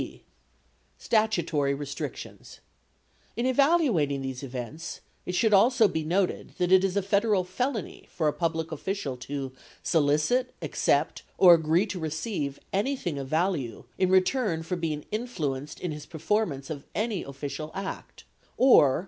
(d) Statutory Restrictions .— In evaluating these events, it should also be noted that it is a Federal felony for a public official to solicit, accept or agree to receive anything of value "in return for ... being influenced in his performance of any official act or